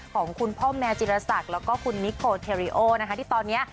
ของคุณพ่อแมวจิรษักแล้วก็คุณนิโคเทริโอนะคะที่ตอนนี้